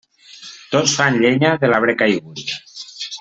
Tots fan llenya de l'arbre caigut.